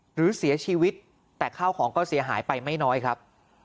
หรือเสียชีวิตแต่ข้าวของก็เสียหายไปไม่น้อยครับ